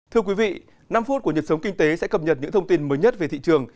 thưa quý vị năm phút của nhật sống kinh tế sẽ cập nhật những thông tin mới nhất về thị trường